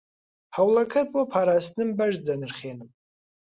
هەوڵەکەت بۆ پاراستنم بەرز دەنرخێنم.